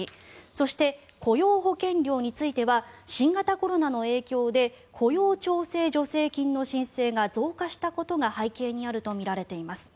そして、雇用保険料については新型コロナの影響で雇用調整助成金の申請が増加したことが背景にあるとみられています。